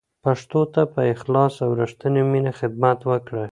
پښتو ته په اخلاص او رښتینې مینه خدمت وکړئ.